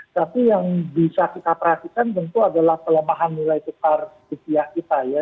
tapi yang bisa kita perhatikan tentu adalah pelemahan nilai tukar rupiah kita ya